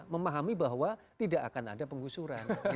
memahami bahwa tidak akan ada penggusuran